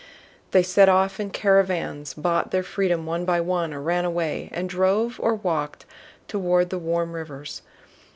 They set off in caravans, bought their freedom one by one or ran away, and drove or walked toward the "warm rivers."